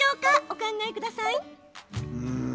お考えください。